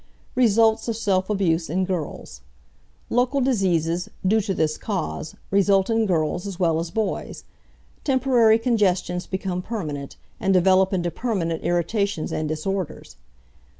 RESULTS OF SELF ABUSE IN GIRLS Local diseases, due to this cause, result in girls as well as boys. Temporary congestions become permanent, and develop into permanent irritations and disorders.